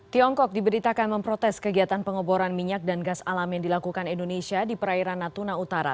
tiongkok diberitakan memprotes kegiatan pengoboran minyak dan gas alam yang dilakukan indonesia di perairan natuna utara